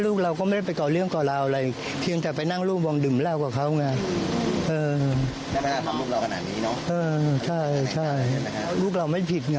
อยากให้กำลังทำอะไรบ้างครับ